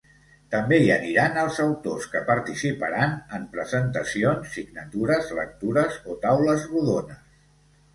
També hi aniran els autors que participaran en presentacions, signatures, lectures o taules rodones.